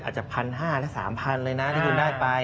อาจจะ๑๕๐๐และ๓๐๐เลยนะที่คุณได้ไป